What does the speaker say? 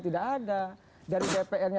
tidak ada dari dpr nya